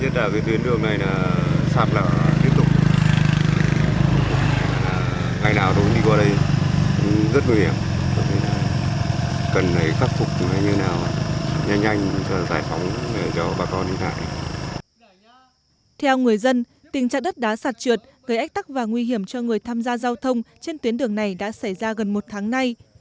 theo người dân tình trạng đất đá sạt trượt gây ách tắc và nguy hiểm cho người tham gia giao thông trên tuyến đường này đã xảy ra gần một tháng nay